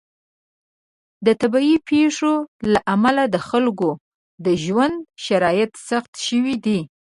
د طبیعي پیښو له امله د خلکو د ژوند شرایط سخت شوي دي.